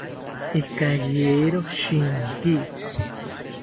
Ikayero shinki